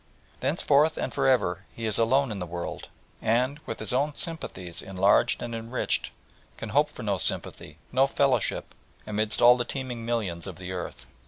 Thenceforth and for ever he is alone in the world and, with his own sympathies enlarged and enriched, can hope for no sympathy, no fellowship, amidst all the teeming millions of the earth.